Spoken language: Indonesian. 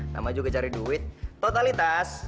nama juga cari duit totalitas